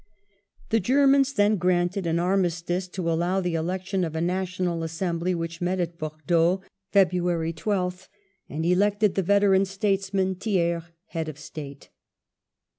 The Germans then granted an armistice to allow the election of a National Assembly which met at Bordeaux (Feb. 12th) and elected the veteran statesman, Thiers, head of the State.